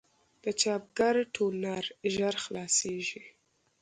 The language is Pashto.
د چاپګر ټونر ژر خلاصېږي.